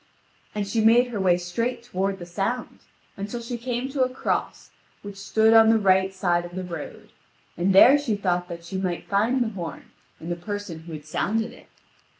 And she made her way straight toward the sound, until she came to a cross which stood on the right side of the road, and there she thought that she might find the horn and the person who had sounded it.